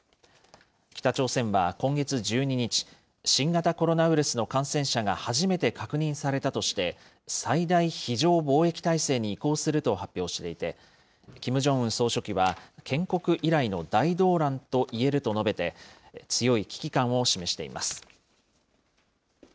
北朝鮮は今月１２日、新型コロナウイルスの感染者が初めて確認されたとして、最大非常防疫態勢に移行すると発表していて、キム・ジョンウン総書記は、建国以来の大動乱と言えると述べて、強い危機感を示しています。